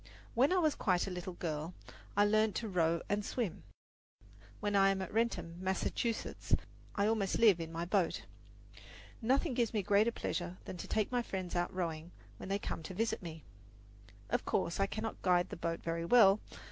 When I was quite a little girl, I learned to row and swim, and during the summer, when I am at Wrentham, Massachusetts, I almost live in my boat. Nothing gives me greater pleasure than to take my friends out rowing when they visit me. Of course, I cannot guide the boat very well.